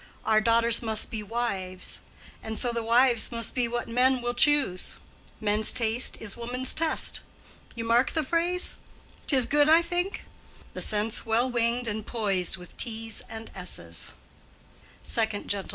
Our daughters must be wives, And to the wives must be what men will choose; Men's taste is woman's test. You mark the phrase? 'Tis good, I think?—the sense well winged and poised With t's and s's. _2nd Gent.